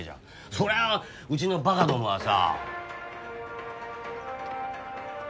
そりゃうちのばかどもはさ。